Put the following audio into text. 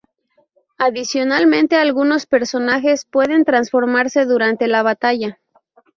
Adicionalmente algunos personajes pueden transformarse durante la batalla.